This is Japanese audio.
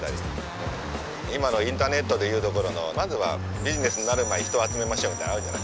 今のインターネットで言うところのまずはビジネスになる前に人を集めましょうみたいなのあるじゃない？